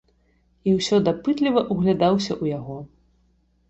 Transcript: І ўсё дапытліва ўглядаўся ў яго.